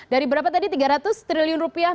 dari berapa tadi tiga ratus triliun rupiah